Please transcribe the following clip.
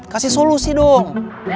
kasih solusi dong